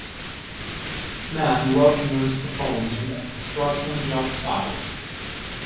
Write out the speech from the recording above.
Man working on scaffolding at construction job site.